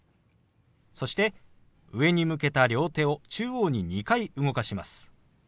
そして上に向けた両手を中央に２回動かします。